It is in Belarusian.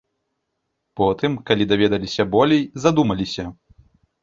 Потым, калі даведаліся болей, задумаліся.